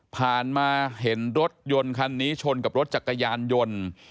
ผ่านมาเห็นรถยนต์คันนี้ชนกับรถจักรยานยนต์